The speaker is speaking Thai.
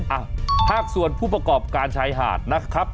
อ่ะภาคส่วนผู้ประกอบการชายหาดนะครับ